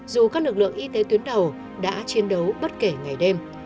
dù các lực lượng y tế tuyến đầu đã chiến đấu bất kể ngày đêm